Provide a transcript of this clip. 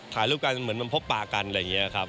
ถ่ายรูปกันเหมือนมาพบปากกันอะไรอย่างนี้ครับ